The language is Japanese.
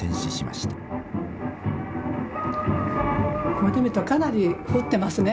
こうやって見るとかなり降ってますね